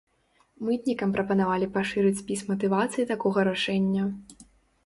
Мытнікам прапанавалі пашырыць спіс матывацый такога рашэння.